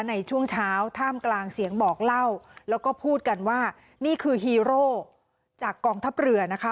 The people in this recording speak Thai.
ในช่วงเช้าท่ามกลางเสียงบอกเล่าแล้วก็พูดกันว่านี่คือฮีโร่จากกองทัพเรือนะคะ